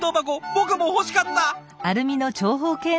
僕も欲しかった！